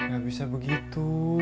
gak bisa begitu